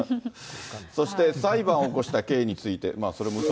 そして裁判を起こした経緯について。